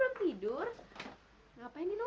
p doctrines jaringan ini sama